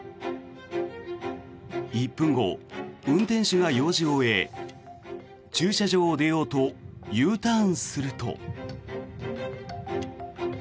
１分後、運転手が用事を終え駐車場を出ようとＵターンすると。